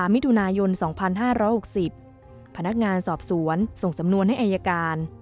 มิถุนายน๒๕๖๐พนักงานสอบสวนส่งสำนวนให้อายการ